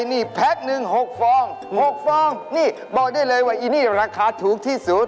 นี่น้ำต่ำไทขาวมิดพลัวราคาถูกที่สุด